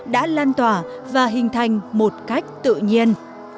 gian tỏa và hình thành một cách tự nhiên